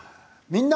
「みんな！